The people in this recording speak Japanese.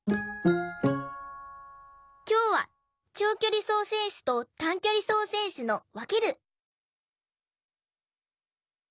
きょうは長距離走選手と短距離走選手のわける！